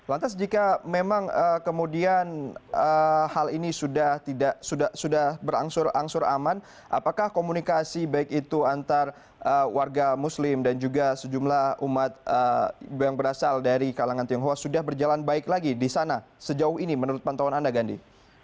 lantas jika memang kemudian hal ini sudah berangsur angsur aman apakah komunikasi baik itu antar warga muslim dan juga sejumlah umat yang berasal dari kalangan tionghoa sudah berjalan baik lagi di sana sejauh ini menurut pantauan anda gandhi